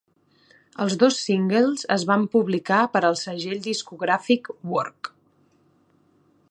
Els dos singles es van publicar per al segell discogràfic Work.